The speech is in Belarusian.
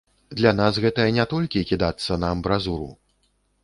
Для нас гэта не толькі кідацца на амбразуру.